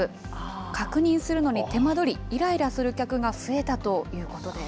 確認するのに手間取り、いらいらする客が増えたということです。